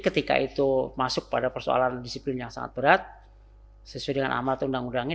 ketika itu masuk pada persoalan disiplin yang sangat berat sesuai dengan amal atau undang undangnya